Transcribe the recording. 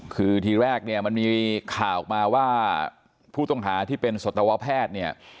คือทีแรกเนี่ยมันมีข่าวออกมาว่าผู้ต้องหาที่เป็นสัตวแพทย์เนี่ย